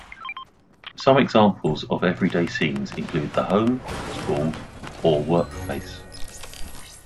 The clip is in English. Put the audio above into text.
Some examples of everyday scenes include the home, school, or workplace.